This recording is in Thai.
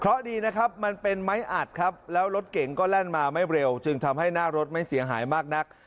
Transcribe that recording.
เพราะดีนะครับมันเป็นไม้อัดครับแล้วรถเก่งก็แล่นมาไม่เร็วจึงทำให้หน้ารถไม่เสียหายมากนัก